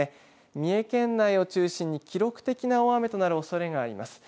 三重県内を中心に記録的な大雨となるおそれがあります。